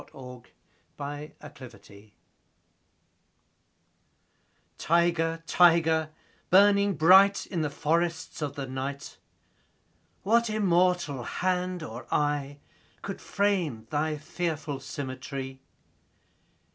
The Tiger TIGER, tiger, burning bright In the forests of the night, What immortal hand or eye Could frame thy fearful symmetry?